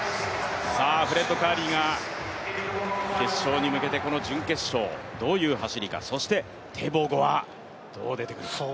フレッド・カーリーが決勝に向けてこの準決勝、どういう走りか、そしてテボゴはどう出てくるか。